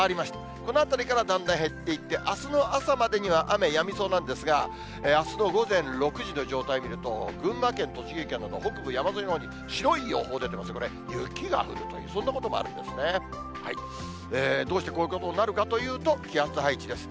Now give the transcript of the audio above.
このあたりから、だんだん減っていって、あすの朝までには雨、やみそうなんですが、あすの午前６時の状態見ると、群馬県、栃木県など北部山沿いのほうに白い予報が出てますね、これ、雪が降るという、そんなこともあるんですね。